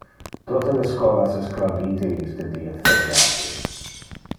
Tote le scholas es claudite in iste die feriate.